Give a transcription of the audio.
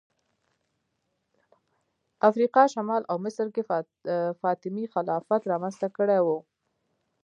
افریقا شمال او مصر کې فاطمي خلافت رامنځته کړی و